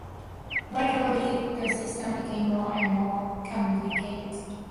Gradually the system became more and more complicated.